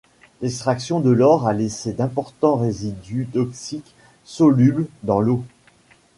L'extraction de l'or a laissé d'importants résidus toxiques solubles dans l'eau.